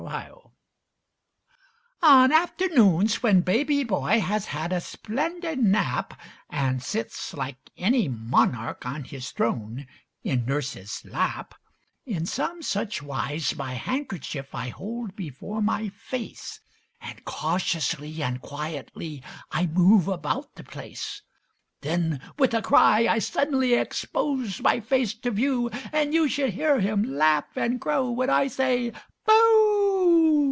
"BOOH!" On afternoons, when baby boy has had a splendid nap, And sits, like any monarch on his throne, in nurse's lap, In some such wise my handkerchief I hold before my face, And cautiously and quietly I move about the place; Then, with a cry, I suddenly expose my face to view, And you should hear him laugh and crow when I say "Booh"!